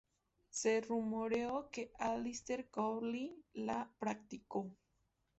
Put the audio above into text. Se rumoreó que Aleister Crowley la practicó.